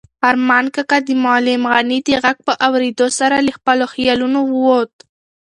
ارمان کاکا د معلم غني د غږ په اورېدو سره له خپلو خیالونو ووت.